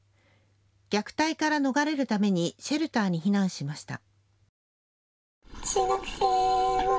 虐待から逃れるためにシェルターに避難しました。